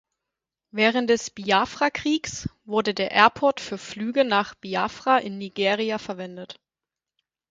Während des Biafra-Kriegs wurde der Airport für Flüge nach Biafra in Nigeria verwendet.